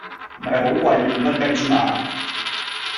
唔係好貴！五蚊雞之嘛